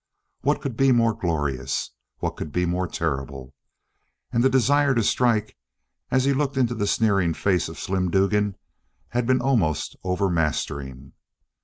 What could be more glorious? What could be more terrible? And the desire to strike, as he had looked into the sneering face of Slim Dugan, had been almost overmastering.